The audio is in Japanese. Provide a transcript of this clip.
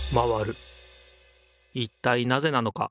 いったいなぜなのか。